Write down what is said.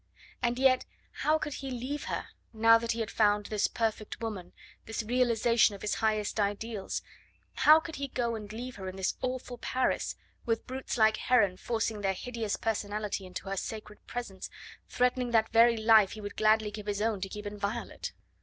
And yet how could he leave her? now that he had found this perfect woman this realisation of his highest ideals, how could he go and leave her in this awful Paris, with brutes like Heron forcing their hideous personality into her sacred presence, threatening that very life he would gladly give his own to keep inviolate?